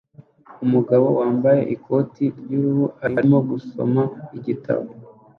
Umugabo wambaye ikoti ry'uruhu arimo gusoma igitabo